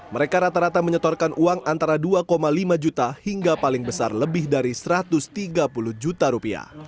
mereka rata rata menyetorkan uang antara dua lima juta hingga paling besar lebih dari rp satu ratus tiga puluh juta rupiah